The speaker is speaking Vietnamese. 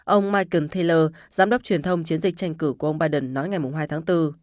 ông michael teler giám đốc truyền thông chiến dịch tranh cử của ông biden nói ngày hai tháng bốn